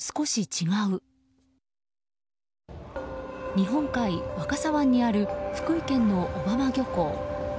日本海、若狭湾にある福井県の小浜漁港。